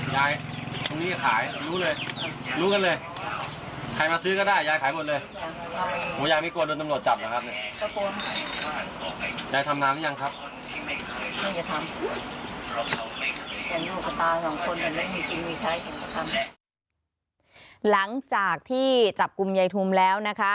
อย่างลูกตาสองคนเหมือนมีกินมีไข้เห็นกันครับหลังจากที่จับกลุ่มยายถุ่มแล้วนะคะ